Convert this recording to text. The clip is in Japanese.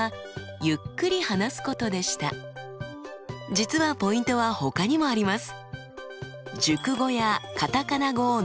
実はポイントはほかにもあります。